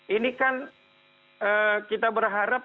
ini kan kita berharap